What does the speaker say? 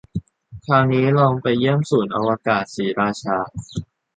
คราวนี้ลองไปเยี่ยมศูนย์อวกาศศรีราชา